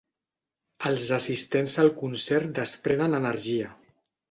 Els assistents al concert desprenen energia.